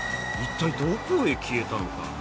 一体どこへ消えたのか。